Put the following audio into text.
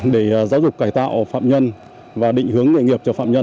để giáo dục cải tạo phạm nhân và định hướng nghề nghiệp cho phạm nhân